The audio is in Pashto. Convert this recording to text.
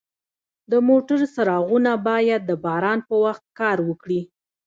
د موټر څراغونه باید د باران په وخت کار وکړي.